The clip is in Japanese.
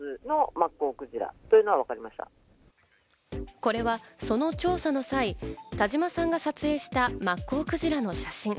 これはその調査の際、田島さんが撮影したマッコウクジラの写真。